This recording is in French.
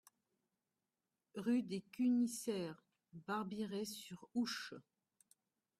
Rue des Cunisseres, Barbirey-sur-Ouche